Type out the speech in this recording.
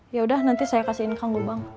yaudah nanti saya kasihin kanggu bang